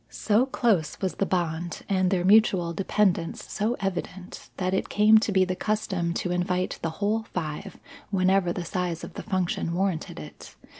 So close was the bond and their mutual dependence so evident, that it came to be the custom to invite the whole five whenever the size of the function warranted it.